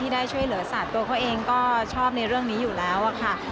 ได้ช่วยเหลือสัตว์ตัวเขาเองก็ชอบในเรื่องนี้อยู่แล้วค่ะ